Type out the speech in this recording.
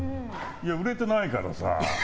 売れてないからさ。